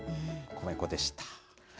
米粉でした。